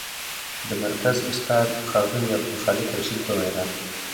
د مرکز استاد، ښاغلي عبدالخالق رشید په وینا: